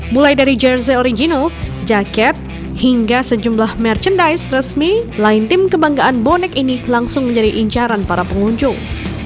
mulai dari jersey original jaket hingga sejumlah merchandise resmi line tim kebanggaan bonek ini langsung menjadi incaran para pengunjung